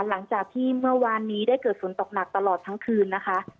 หลังจากที่เมื่อวานนี้ได้เกิดฝนตกหนักตลอดทั้งคืนนะคะ